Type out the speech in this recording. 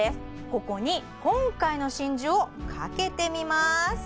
ここに今回の真珠をかけてみます